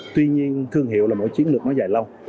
tuy nhiên thương hiệu là mỗi chiến lược nó dài lâu